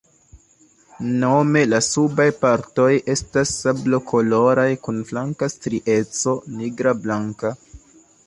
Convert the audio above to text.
Nome la subaj partoj estas sablokoloraj kun flanka strieco nigrablanka.